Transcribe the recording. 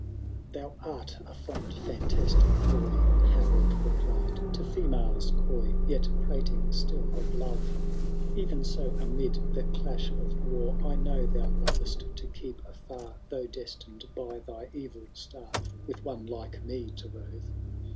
.^ III. <« Thou art a fond fimtasiic boy/* Harold replied, to females coy. Yet prating still of loye ; Eren so amid the dash of war I know thou loyest to keep a&r. Though destined bj thy eTil star With one like me to rore.